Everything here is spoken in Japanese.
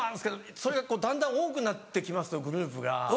それがだんだん多くなって来ますとグループが。